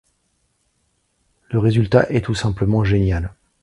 Le résultat est tout simplement génial.